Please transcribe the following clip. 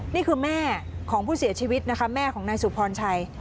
นี่คือแม่ของผู้เสียชีวิตนะคะแม่ของนายสุพรชัย